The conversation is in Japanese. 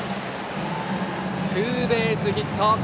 ツーベースヒット！